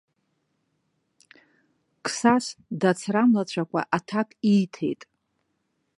Қсас дацрамлацәакәа аҭак ииҭеит.